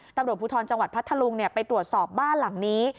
ตำรวจภูทรจังหวัดพัทธลุงไปตรวจสอบบ้านหลังนี้